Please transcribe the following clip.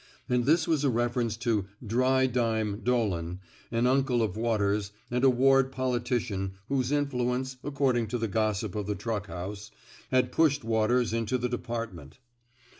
'' And this was a reference to Dry Dime " Dolan, an uncle of Waters, and a ward politician whose influence, according to the gossip of the truck house, had pushed Waters into the department.